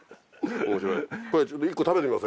面白い。